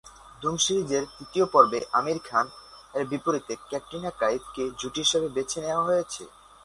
ধুম সিরিজের তৃতীয় পর্বে আমির খান এর বিপরীতে ক্যাটরিনা কাইফ কে জুটি হিসেবে বেছে নেওয়া হয়েছে।